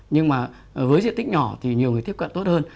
nhưng mà với diện tích nhỏ thì nhiều người tiếp cận tốt hơn